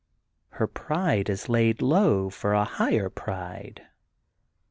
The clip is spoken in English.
Her pride is laid low for a higher pride.